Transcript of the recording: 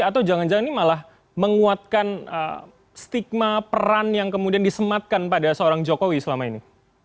atau jangan jangan ini malah menguatkan stigma peran yang kemudian disematkan pada seorang jokowi selama ini